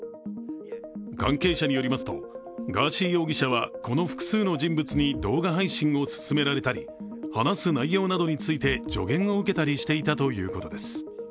関係者によりますと、ガーシー容疑者はこの複数の人物に動画配信を勧められたり、話す内容などについて助言を受けたりしていたということです。